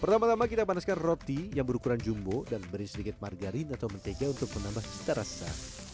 pertama tama kita panaskan roti yang berukuran jumbo dan beri sedikit margarin atau mentega untuk menambah cita rasa